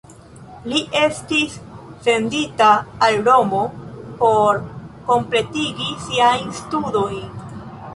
Li estis sendita al Romo por kompletigi siajn studojn.